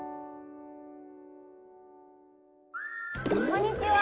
こんにちは！